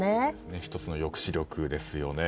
１つの抑止力ですね。